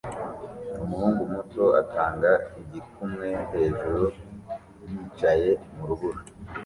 Umuhungu muto atanga igikumwe hejuru yicaye mu rubura